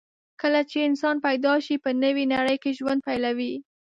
کله چې انسان پیدا شي، په نوې نړۍ کې ژوند پیلوي.